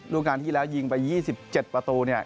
การที่แล้วยิงไป๒๗ประตูเนี่ย